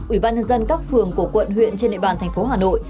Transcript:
ủy ban nhân dân các phường của quận huyện trên địa bàn thành phố hà nội